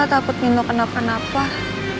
takut nino kenal kenal pak